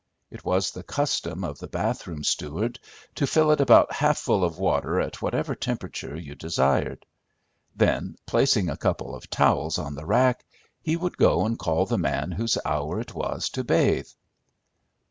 It was the custom of the bath room steward to fill it about half full of water at whatever temperature you desired. Then, placing a couple of towels on the rack, he would go and call the man whose hour it was to bathe.